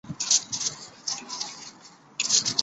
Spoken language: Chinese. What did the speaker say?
疏花绣线梅为蔷薇科绣线梅属下的一个种。